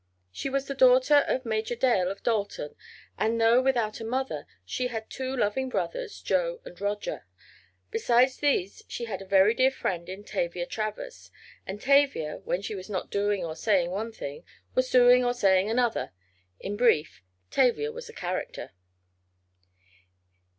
She was the daughter of Major Dale, of Dalton, and, though without a mother, she had two loving brothers, Joe and Roger. Besides these she had a very dear friend in Tavia Travers, and Tavia, when she was not doing or saying one thing, was doing or saying another—in brief, Tavia was a character.